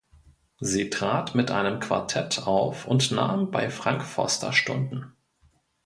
Sie trat mit einem Quartett auf und nahm bei Frank Foster Stunden.